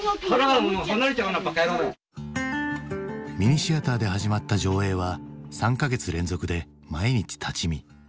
ミニシアターで始まった上映は３か月連続で毎日立ち見。